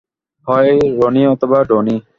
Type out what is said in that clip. হয় রনি অথবা ডনি।